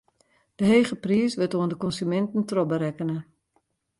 Dy hege priis wurdt oan de konsuminten trochberekkene.